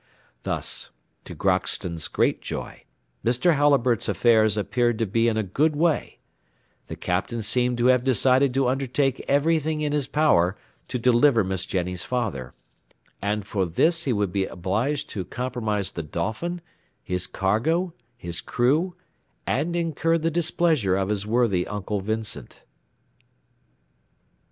Thus, to Crockston's great joy, Mr. Halliburtt's affairs appeared to be in a good way; the Captain seemed to have decided to undertake everything in his power to deliver Miss Jenny's father, and for this he would be obliged to compromise the Dolphin, his cargo, his crew, and incur the displeasure of his worthy Uncle Vincent.